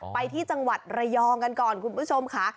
ไปที่จังหวัดระยองกันก่อนคุณผู้ชมค่ะ